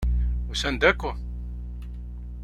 Usan-d akk?